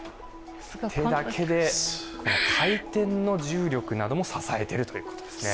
手だけで回転の重力なども支えているということですね。